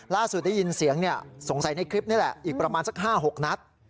ได้ยินเสียงสงสัยในคลิปนี้แหละอีกประมาณสัก๕๖นัด